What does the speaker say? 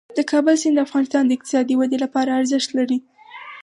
د کابل سیند د افغانستان د اقتصادي ودې لپاره ارزښت لري.